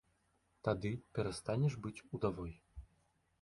Тады перастанеш быць удавой.